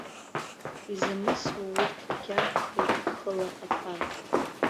Изамысуа урҭ егьаақәхеит хыла аԥан.